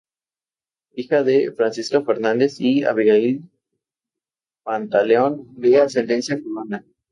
Hija de "Francisca Fernández" y "Abigail Pantaleón" de ascendencia cubana.